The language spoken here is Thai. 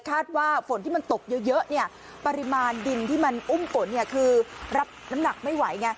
ว่าฝนที่มันตกเยอะเนี่ยปริมาณดินที่มันอุ้มฝนคือรับน้ำหนักไม่ไหวไง